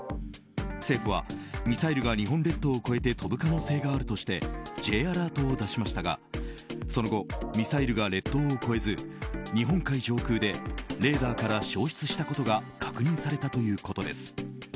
政府はミサイルが日本列島を越えて飛ぶ可能性があるとしてＪアラートを出しましたがその後、ミサイルが列島を越えず日本海上空でレーダーから消失したことが確認されたということです。